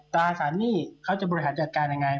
ตราสารหนี้เขาจะบริหารจัดการยังไง